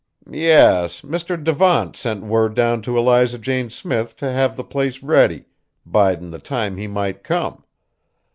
"Yes: Mr. Devant sent word down to Eliza Jane Smith t' have the place ready, bidin' the time he might come.